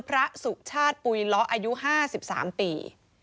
สุชาติปุ๋ยล้ออายุ๕๓ปี